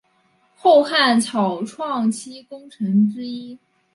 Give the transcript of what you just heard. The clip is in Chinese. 后汉草创期功臣之一。